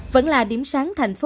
vẫn là điểm sáng thành phố